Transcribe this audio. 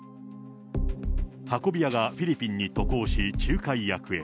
運び屋がフィリピンに渡航し、仲介役へ。